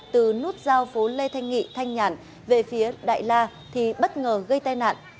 từ nút giao phố lê thanh nghị thanh nhàn về phía đại la thì bất ngờ gây tai nạn